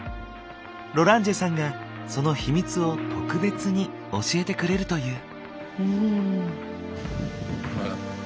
ロランジェさんがその秘密を「特別に」教えてくれるという。